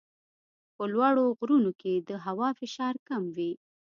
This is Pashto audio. په لوړو غرونو کې د هوا فشار کم وي.